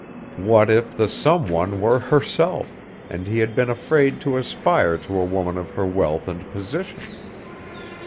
What if the some one were herself and he had been afraid to aspire to a woman of her wealth and position?